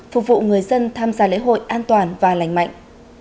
phục vụ người dân tham gia lễ hội an toàn và lành mạnh